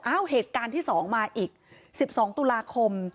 เอ้าเหตุการณ์ที่สองมาอีก๑๒ตุลาคม